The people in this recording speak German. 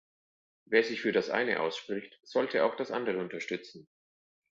Wer sich für das eine ausspricht, sollte auch das andere unterstützen.